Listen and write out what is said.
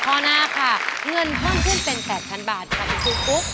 ข้อหน้าค่ะเงินเพิ่มขึ้นเป็น๘๐๐๐บาทค่ะคุณครูฟุ๊ก